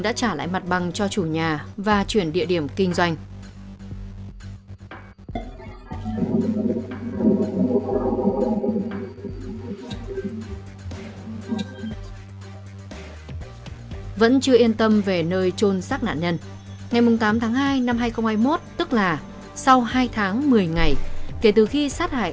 ngoài ra bố nạn nhân cho biết sáng ngày hai mươi tám tháng một mươi một năm hai nghìn hai mươi